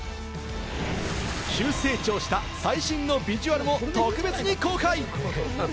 急成長した最新のビジュアルも特別に公開。